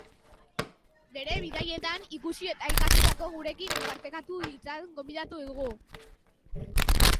Bere bidaietan ikusi eta ikasitakoak gurekin partekatu ditzan gonbidatu dugu.